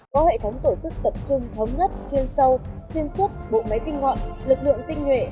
có hệ thống tổ chức tập trung thống nhất chuyên sâu xuyên suốt bộ máy tinh ngọn lực lượng tinh nhuệ